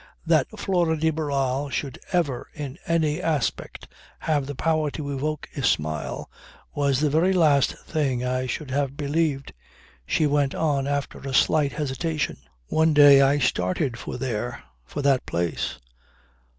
That Flora de Barral should ever, in any aspect, have the power to evoke a smile was the very last thing I should have believed. She went on after a slight hesitation: "One day I started for there, for that place."